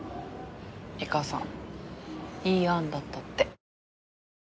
梨花さんいい案だったって。